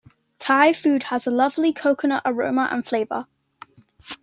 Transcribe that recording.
Thai food has a lovely coconut aroma and flavour.